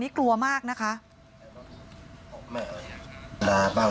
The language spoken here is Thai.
ก็เลยเล่าให้ฟังว่าเหตุการณ์มันเกิดอะไรขึ้นบ้าง